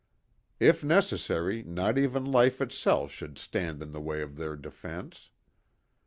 If necessary not even life itself should stand in the way of their defense.